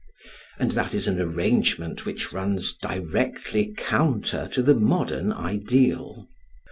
And that is an arrangement which runs directly counter to the modern ideal.